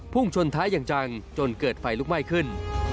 ชนท้ายอย่างจังจนเกิดไฟลุกไหม้ขึ้น